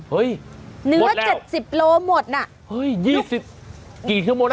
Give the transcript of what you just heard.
เฮ้ยหมดแล้วเนื้อเจ็ดสิบโลกรัมหมดน่ะเฮ้ยยี่สิบกี่ชั่วโมงน่ะ